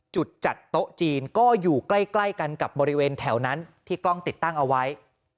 จัดโต๊ะจีนก็อยู่ใกล้กันกับบริเวณแถวนั้นที่กล้องติดตั้งเอาไว้